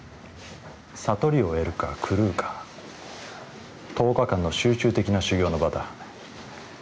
悟りを得るか狂うか１０日間の集中的な修行の場だ。